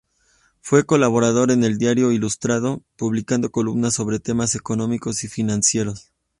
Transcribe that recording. Fue colaborador en El Diario Ilustrado, publicando columnas sobre temas económicos y financieros.